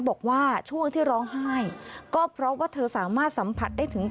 บอกว่าช่วงที่ร้องไห้ก็เพราะว่าเธอสามารถสัมผัสได้ถึง